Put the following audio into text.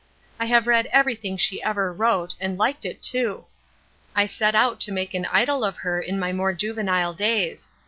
I have read everything she ever wrote, and liked it, too. I set out to make an idol of her in my more juvenile days.